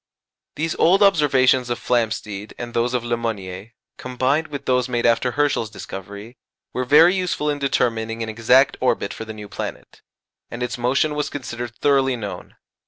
These old observations of Flamsteed and those of Le Monnier, combined with those made after Herschel's discovery, were very useful in determining an exact orbit for the new planet, and its motion was considered thoroughly known.